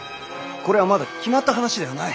これはまだ決まった話ではない。